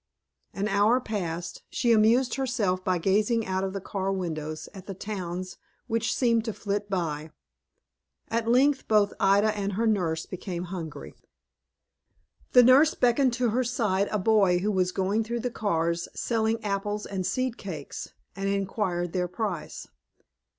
An hour passed. She amused herself by gazing out of the car windows at the towns which seemed to flit by. At length, both Ida and her nurse became hungry. The nurse beckoned to her side a boy who was going through the cars selling apples and seed cakes, and inquired their price.